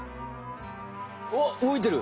わっ動いてる！